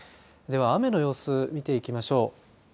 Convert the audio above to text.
では、雨の様子見ていきましょう。